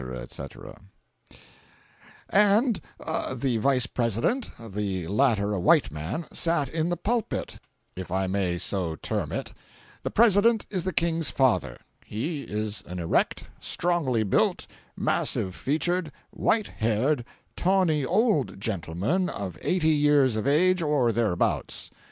etc.] and the Vice President (the latter a white man,) sat in the pulpit, if I may so term it. The President is the King's father. He is an erect, strongly built, massive featured, white haired, tawny old gentleman of eighty years of age or thereabouts.